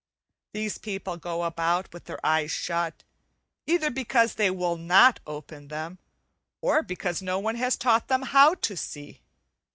These people go about with their eyes shut, either because they will not open them, or because no one has taught them how to see.